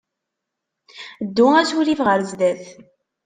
Ddu asurif ɣer sdat.